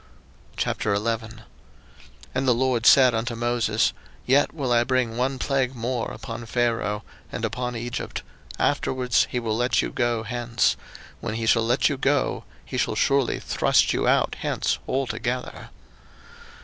02:011:001 And the LORD said unto Moses, Yet will I bring one plague more upon Pharaoh, and upon Egypt; afterwards he will let you go hence: when he shall let you go, he shall surely thrust you out hence altogether.